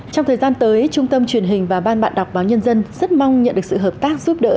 trong thời gian tới trung tâm truyền hình và ban bạn đọc báo nhân dân rất mong nhận được sự hợp tác giúp đỡ